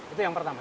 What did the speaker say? itu yang pertama